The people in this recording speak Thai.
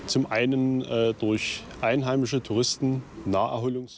หมดแล้ว